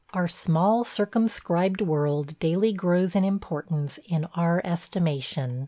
Our small, circumscribed world daily grows in importance in our estimation.